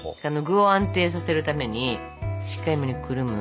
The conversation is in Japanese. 具を安定させるためにしっかりめにくるむ。